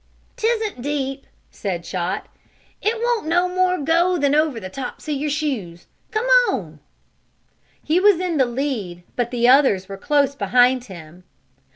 "'Tisn't deep!" said Chot. "It won't no more than go over the tops of your shoes! Come on!" He was in the lead, but the others were close behind him.